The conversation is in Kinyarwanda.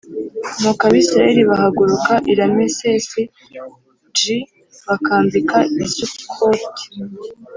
Nuko Abisirayeli bahaguruka i Ramesesi g bakambika i Sukoti